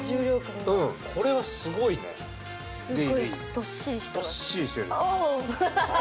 どっしりしてる。